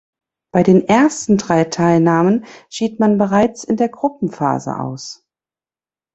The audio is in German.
Bei den ersten drei Teilnahmen schied man bereits in der Gruppenphase aus.